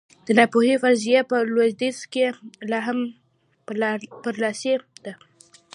د ناپوهۍ فرضیه په لوېدیځ کې لا هم برلاسې ده.